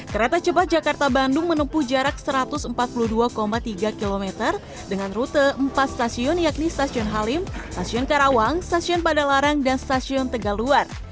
kereta cepat jakarta bandung menempuh jarak satu ratus empat puluh dua tiga km dengan rute empat stasiun yakni stasiun halim stasiun karawang stasiun padalarang dan stasiun tegaluar